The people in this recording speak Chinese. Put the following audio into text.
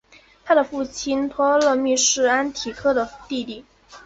他的父亲托勒密是安提柯的弟弟。